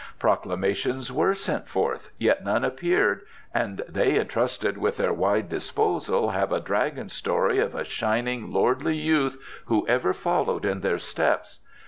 Proclamations were sent forth, yet none appeared, and they entrusted with their wide disposal have a dragon story of a shining lordly youth who ever followed in their steps.